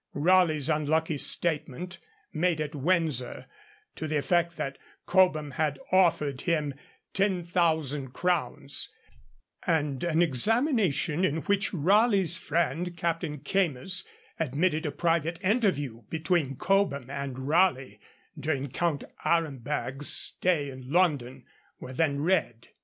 Raleigh's unlucky statement, made at Windsor, to the effect that Cobham had offered him 10,000 crowns, and an examination in which Raleigh's friend Captain Keymis admitted a private interview between Cobham and Raleigh during Count Aremberg's stay in London, were then read.